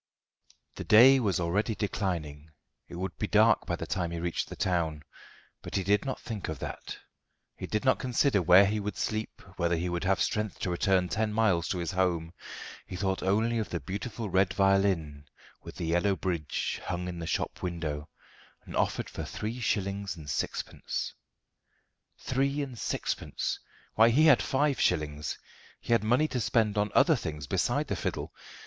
The day was already declining; it would be dark by the time he reached the town. But he did not think of that. He did not consider where he would sleep, whether he would have strength to return ten miles to his home. He thought only of the beautiful red violin with the yellow bridge hung in the shop window, and offered for three shillings and sixpence. Three and sixpence! Why, he had five shillings. He had money to spend on other things beside the fiddle.